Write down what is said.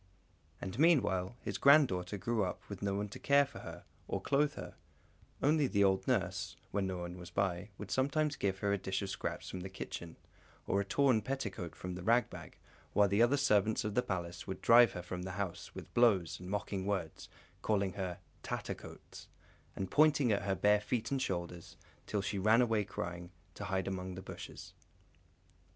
And, meanwhile, his granddaughter grew up with no one to care for her, or clothe her; only the old nurse, when no one was by, would sometimes give her a dish of scraps from the kitchen, or a torn petticoat from the rag bag; while the other servants of the Palace would drive her from the house with blows and mocking words, calling her "Tattercoats," and pointing at her bare feet and shoulders, till she ran away crying, to hide among the bushes.